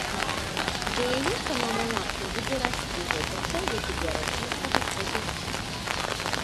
Для яе цана на нафту будзе расці гэтак жа, як і для расійскага спажыўца.